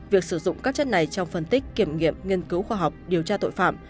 việc sử dụng các chất này trong phân tích kiểm nghiệm nghiên cứu khoa học điều tra tội phạm